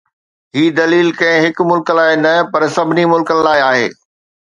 هي دليل ڪنهن هڪ ملڪ لاءِ نه، پر سڀني ملڪن لاءِ آهي.